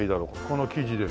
この生地で。